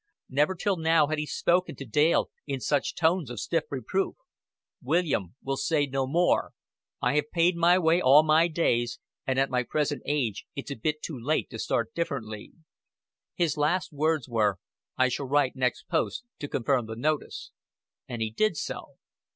Never till now had he spoken to Dale in such tones of stiff reproof. "William, we'll say no more. I have paid my way all my days, and at my present age it's a bit too late to start differently." His last words were: "I shall write next post to confirm the notice." And he did so.